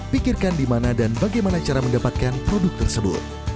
pikirkan di mana dan bagaimana cara mendapatkan produk tersebut